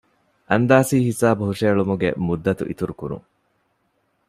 އަންދާސީ ހިސާބު ހުށަހެޅުމުގެ މުއްދަތު އިތުރު ކުރުން